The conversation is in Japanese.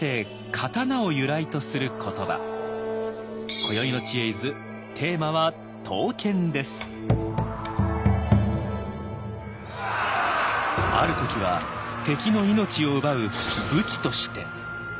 こよいの「知恵泉」テーマはある時は敵の命を奪う「武器」として。